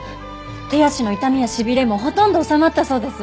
手足の痛みや痺れもほとんど治まったそうです。